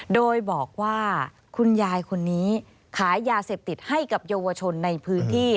โดยบอกว่าคุณยายคนนี้ขายยาเสพติดให้กับเยาวชนในพื้นที่